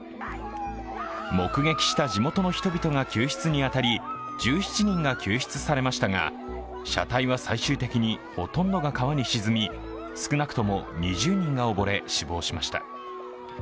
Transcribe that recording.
目撃した地元の人々が救出に当たり１７人が救出されましたが車体は最終的にほとんどが川に沈み、少なくとも２０人が溺れ死亡しました。